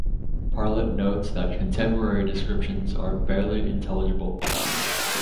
Parlett notes that contemporary descriptions are "barely intelligible".